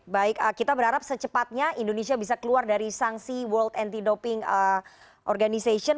baik kita berharap secepatnya indonesia bisa keluar dari sanksi world anti doping organization